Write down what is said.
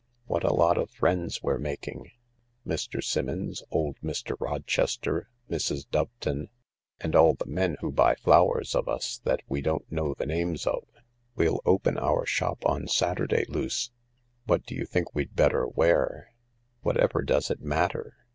What a lot of friends we're making— Mr. Simmons, old Mr. Rochester, Mrs. Doveton ... and all the men who buy flowers of us that we don't know the names of. We'll open our shop on Saturday, Luce. What do you think we'd better wear ?"" Whatever does it matter